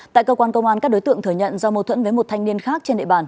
tại cơ quan công an các đối tượng thừa nhận do mâu thuẫn với một thanh niên khác trên địa bàn